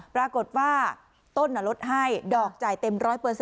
ปรากฏว่าต้นลดให้ดอกจ่ายเต็ม๑๐๐